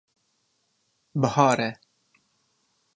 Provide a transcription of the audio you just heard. Bihar e.